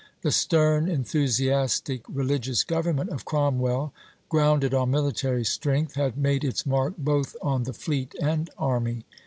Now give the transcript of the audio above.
The stern, enthusiastic religious government of Cromwell, grounded on military strength, had made its mark both on the fleet and army.